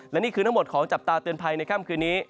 และนี่คือทั้งหมดของจับตาเตือนภัยในค่ำคืนนี้